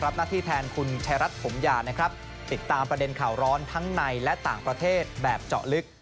หน้าที่แทนคุณชายรัฐถมยานะครับติดตามประเด็นข่าวร้อนทั้งในและต่างประเทศแบบเจาะลึก